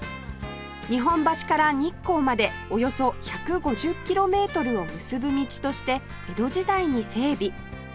日本橋から日光までおよそ１５０キロメートルを結ぶ道として江戸時代に整備